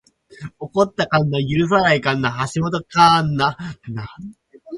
起こった神無許さない神無橋本神無